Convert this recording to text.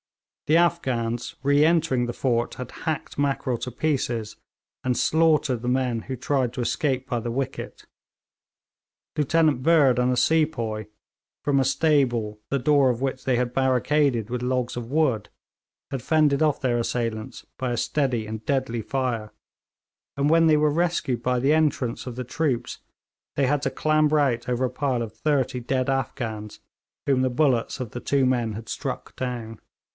The Afghans, re entering the fort, had hacked Mackrell to pieces and slaughtered the men who tried to escape by the wicket. Lieutenant Bird and a sepoy, from a stable the door of which they had barricaded with logs of wood, had fended off their assailants by a steady and deadly fire, and when they were rescued by the entrance of the troops they had to clamber out over a pile of thirty dead Afghans whom the bullets of the two men had struck down.